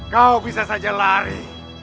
kau bisa saja lari